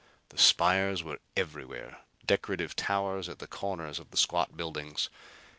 The spires were everywhere, decorative towers at the corners of the squat buildings.